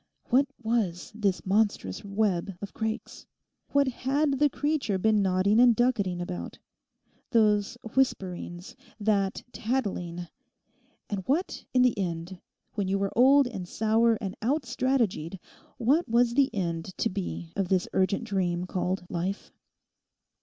What was this monstrous web of Craik's? What had the creature been nodding and ducketing about?—those whisperings, that tattling? And what in the end, when you were old and sour and out strategied, what was the end to be of this urgent dream called Life?